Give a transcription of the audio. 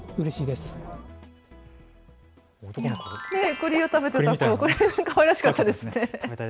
くりを食べていた子、かわいらしかったですね。